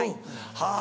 はい。